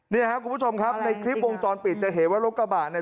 เนี่ยครับคุณผู้ชมครับในคลิปวงจรปิดจะเห็นว่ารถกระบะเนี่ย